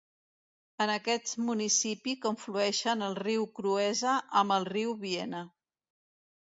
En aquest municipi conflueixen el riu Cruesa amb el riu Viena.